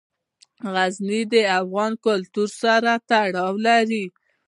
غزني د افغان کلتور سره تړاو لري.